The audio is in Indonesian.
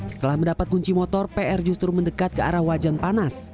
setelah mendapat kunci motor pr justru mendekat ke arah wajan panas